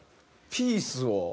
ピースを。